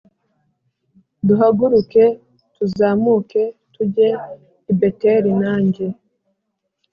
duhaguruke tuzamuke tujye i Beteli nanjye